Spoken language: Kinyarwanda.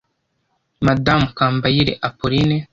Madamu Kambayire Appoline